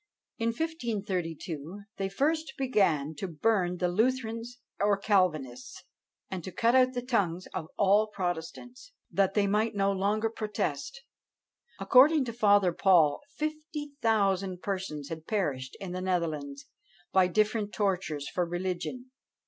In 1532 they first began to burn the Lutherans or Calvinists, and to cut out the tongues of all protestants, "that they might no longer protest." According to Father Paul, fifty thousand persons had perished in the Netherlands, by different tortures, for religion.